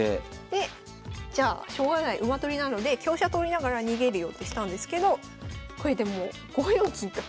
でじゃあしょうがない馬取りなので香車取りながら逃げるよってしたんですけどこれでも５四金と。